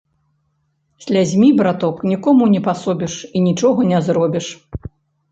Слязьмі, браток, нікому не пасобіш і нічога не зробіш.